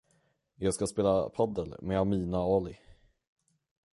Jag ska spela padel med Amina Ali.